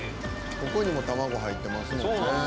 「ここにも卵入ってますもんね」